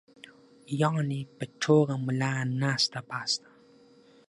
يعني پۀ ټوغه ملا ناسته پاسته